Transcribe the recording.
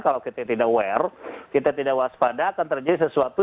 kalau kita tidak aware kita tidak waspada akan terjadi sesuatu